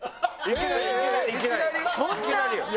いきなりよ。